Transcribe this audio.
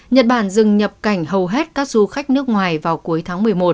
nhật bản dừng nhập cảnh hầu hết các du khách nước ngoài vào cuối tháng một mươi một